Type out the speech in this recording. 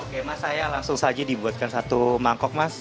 oke mas saya langsung saja dibuatkan satu mangkok mas